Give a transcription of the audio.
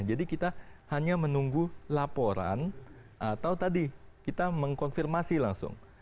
jadi kita hanya menunggu laporan atau tadi kita mengkonfirmasi langsung